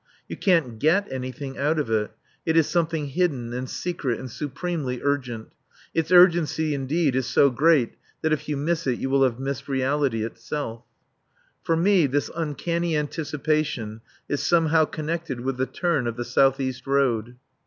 You can't "get" anything out of it. It is something hidden and secret and supremely urgent. Its urgency, indeed, is so great that if you miss it you will have missed reality itself. For me this uncanny anticipation is somehow connected with the turn of the south east road.